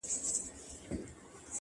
زړه سوي عملونه ژور اغېز لري’